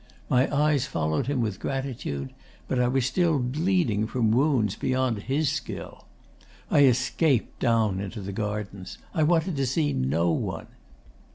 My eyes followed him with gratitude; but I was still bleeding from wounds beyond his skill. I escaped down into the gardens. I wanted to see no one.